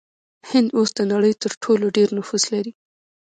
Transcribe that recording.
هند اوس د نړۍ تر ټولو ډیر نفوس لري.